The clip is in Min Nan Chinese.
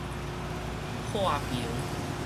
破爿